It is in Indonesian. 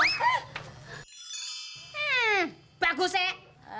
hmm bagus eh